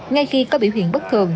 ngay khi có biểu hiện bất thường